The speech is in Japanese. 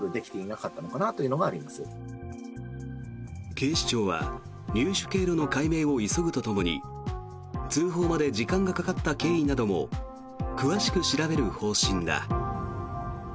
警視庁は入手経路の解明を急ぐとともに通報まで時間がかかった経緯なども詳しく調べる方針だ。